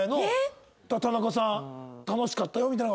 「田中さん楽しかったよ」みたいなのが。